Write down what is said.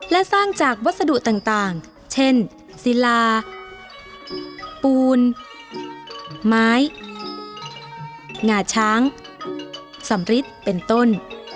และสร้างจากวัสดุต่างเช่นศิลาปูนไม้งาช้างสำริทเป็นต้น